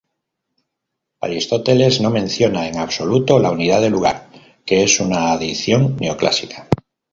Aristóteles no menciona en absoluto la unidad de lugar, que es una adición neoclásica.